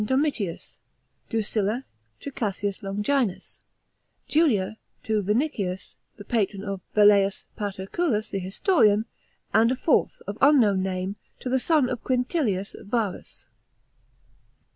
Domitius ; Drusilla to Cassius Longinus ; Julia, to Vinicius, the patron of Velleius Paterculus the historian; and a fourth, of unknown name to the son of Quintilius Varus.